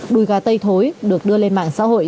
đùi gà tây thối được đưa lên mạng xã hội